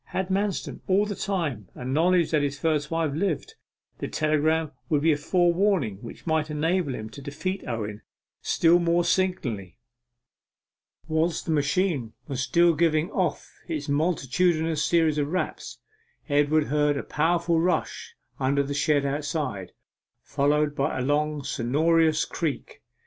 Had Manston, all the time, a knowledge that his first wife lived, the telegram would be a forewarning which might enable him to defeat Owen still more signally. Whilst the machine was still giving off its multitudinous series of raps, Edward heard a powerful rush under the shed outside, followed by a long sonorous creak.